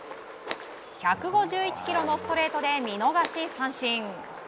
１５１キロのストレートで見逃し三振！